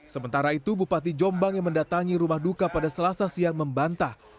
sementara itu bupati jombang yang mendatangi rumah duka pada selasa siang membantah